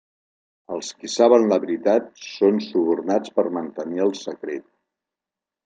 Els qui saben la veritat són subornats per mantenir el secret.